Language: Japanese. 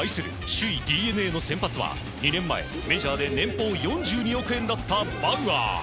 首位ＤｅＮＡの先発は２年前、メジャーで年俸４２億円だったバウアー。